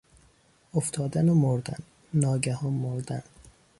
افتادن و مردن، ناگهان مردن